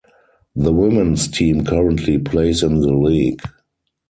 The Womens team currently plays in the league.